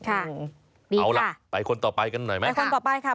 เอาล่ะไปคนต่อไปกันหน่อยนะคะ